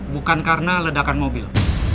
bukan karena ledakan mobil